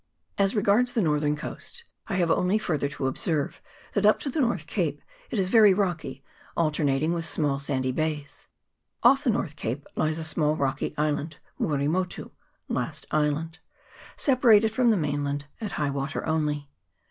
As regards the northern coast, I have only fur ther to observe that up to the North Cape it is very rocky, alternating with small sandy bays. Off the North Cape lies a small rocky island, Muri Motu (Last Island), separated from the mainland at high w r ater only.